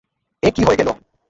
এ কী হয়ে গেল!